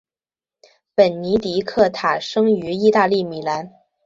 本尼迪克塔生于意大利米兰。